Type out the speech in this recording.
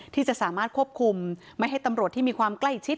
ที่จะสามารถควบคุมไม่ให้ตำรวจที่มีความใกล้ชิด